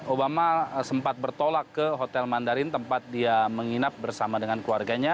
obama sempat bertolak ke hotel mandarin tempat dia menginap bersama dengan keluarganya